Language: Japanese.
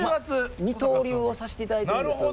二刀流をさせていただいているんです。